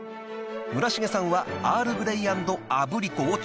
［村重さんはアールグレイ＆アブリコをチョイス］